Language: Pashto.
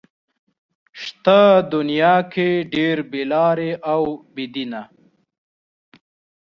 شته دنيا کې ډېر بې لارې او بې دينه